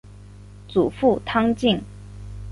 祖父汤敬。